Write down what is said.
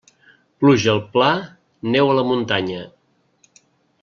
Pluja al pla, neu a la muntanya.